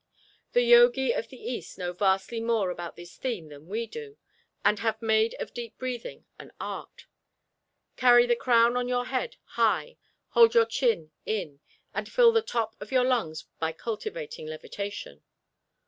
The Yogi of the East know vastly more about this theme than we do, and have made of deep breathing an art. Carry the crown of your head high, hold your chin in, and fill the top of your lungs by cultivating levitation.